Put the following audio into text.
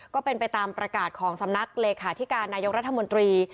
ก็เป็นไปตามประกาศของสำนักเลขาธิการนายกรัฐมนตรี